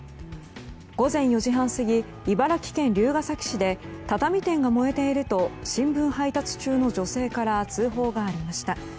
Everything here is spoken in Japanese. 午前４時半過ぎ茨城県龍ケ崎市で畳店が燃えていると新聞配達中の女性から通報がありました。